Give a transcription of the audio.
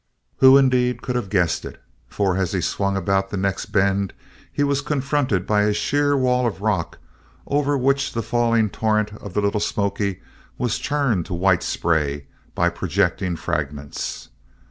Who, indeed, could have guessed it? For as he swung about the next bend he was confronted by a sheer wall of rock over which the falling torrent of the Little Smoky was churned to white spray by projecting fragments.